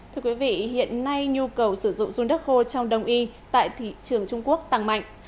thưa quý vị hiện nay nhu cầu sử dụng run đất khô trong đông y tại thị trường trung quốc tăng mạnh